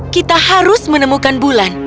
kita harus menemukan bulan